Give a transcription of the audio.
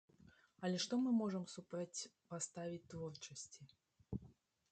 Але што мы можам супрацьпаставіць творчасці?